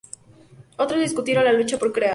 Otros discutieron la lucha por crear.